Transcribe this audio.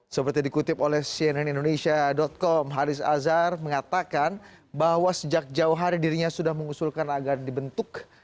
seperti dikutip oleh cnnindonesia com haris azhar mengatakan bahwa sejak jauh hari dirinya sudah mengusulkan agar dibentuk